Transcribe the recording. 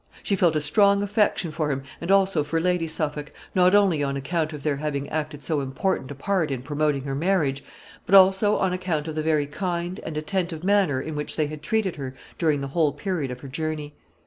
She felt a strong affection for him, and also for Lady Suffolk, not only on account of their having acted so important a part in promoting her marriage, but also on account of the very kind and attentive manner in which they had treated her during the whole period of her journey.